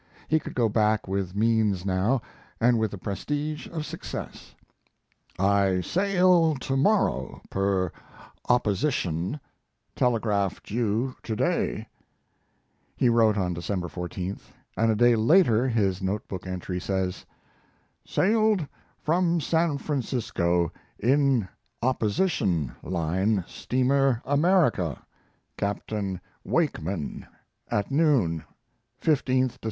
He could go back with means now, and with the prestige of success. "I sail to morrow per Opposition telegraphed you to day," he wrote on December 14th, and a day later his note book entry says: Sailed from San Francisco in Opposition (line) steamer America, Capt. Wakeman, at noon, 15th Dec.